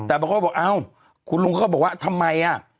แต่เขาก็บอกอ้าวคุณลุงเขาบอกว่าทำไมอ่ะ